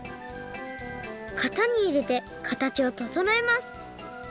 かたにいれてかたちをととのえます